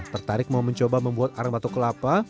tertarik mau mencoba membuat arang batok kelapa